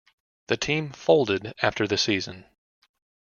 The team folded after the season.